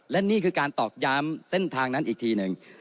และนี่คือการตอกย้ำเส้นทางนั้นอีกทีหนึ่ง